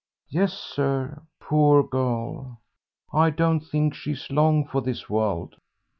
"Yes, sir. Poor girl, I don't think she's long for this world."